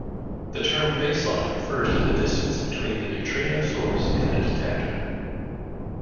The term "baseline" refers to the distance between the neutrino source and the detector.